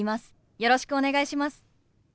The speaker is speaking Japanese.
よろしくお願いします。